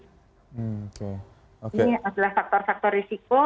ini adalah faktor faktor risiko